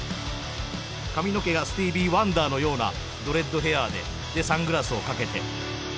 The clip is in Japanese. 髪の毛がスティービー・ワンダーのようなドレッドヘアででサングラスをかけて。